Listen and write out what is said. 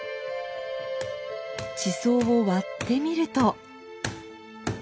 地層を割ってみると。